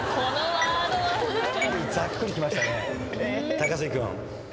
高杉君。